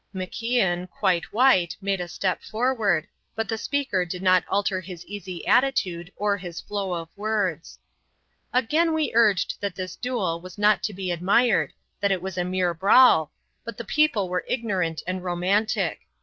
MacIan, quite white, made a step forward, but the speaker did not alter his easy attitude or his flow of words. "Again we urged that this duel was not to be admired, that it was a mere brawl, but the people were ignorant and romantic.